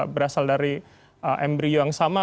berasal dari embryo yang sama